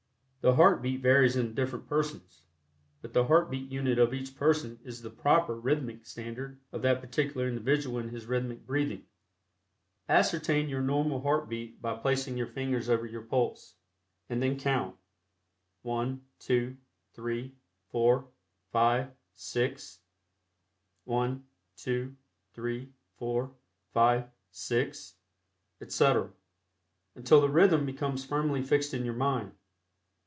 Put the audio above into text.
The heart beat varies in different persons, but the heart beat unit of each person is the proper rhythmic standard for that particular individual in his rhythmic breathing. Ascertain your normal heart beat by placing your fingers over your pulse, and then count: "1, 2, 3, 4, 5, 6; 1, 2, 3, 4, 5, 6," etc., until the rhythm becomes firmly fixed in your mind.